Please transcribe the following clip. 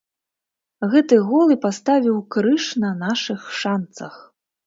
Гэты гол і паставіў крыж на нашых шанцах.